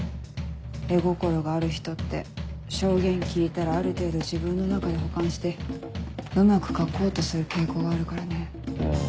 絵心がある人って証言聞いたらある程度自分の中で補完してうまく描こうとする傾向があるからね。